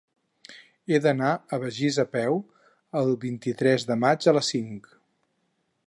He d'anar a Begís a peu el vint-i-tres de maig a les cinc.